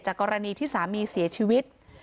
กรณีที่สามีเสียชีวิต